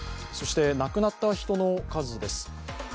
そして亡くなった人の数です。